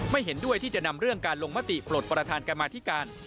เห็นด้วยที่จะนำเรื่องการลงมติปลดประธานกรรมาธิการ